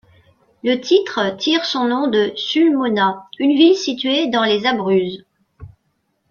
Le titre tire son nom de Sulmona, une ville située dans les Abruzzes.